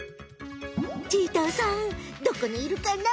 チーターさんどこにいるかな？